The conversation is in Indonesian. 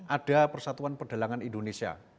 ada persatuan perdelangan indonesia